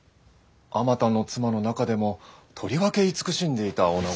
あまたの妻の中でもとりわけいつくしんでいたおなご。